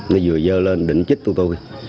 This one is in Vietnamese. nó vừa dơ lên định chích tụi tôi